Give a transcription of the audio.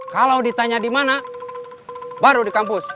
kalau ditanya di mana baru di kampus